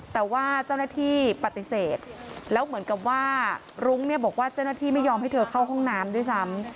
แต่ว่าเจ้าหน้าที่ปฏิเสธแล้วเหมือนกับว่ารุ้งเนี่ยบอกว่าเจ้าหน้าที่ไม่ยอมให้เธอเข้าห้องน้ำด้วยซ้ำ